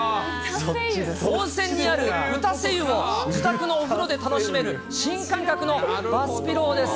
温泉にある打たせ湯を自宅のお風呂で楽しめる、新感覚のバスピローです。